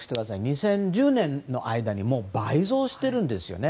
２０１０年の間に倍増してるんですよね。